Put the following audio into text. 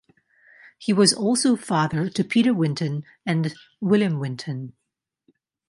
He was also father to Peter Winton and William Winton.